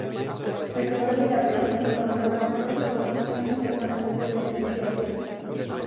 El caudal y la presión se encontraban de acuerdo aproximadamente con las predicciones teóricas.